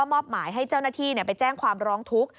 มอบหมายให้เจ้าหน้าที่ไปแจ้งความร้องทุกข์